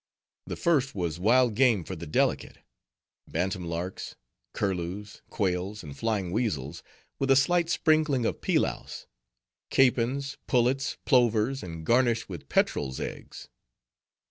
The first was wild game for the delicate,—bantam larks, curlews, quails, and flying weazels; with a slight sprinkling of pilaus,—capons, pullets, plovers, and garnished with petrels' eggs.